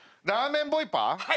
ラーメンボイパ？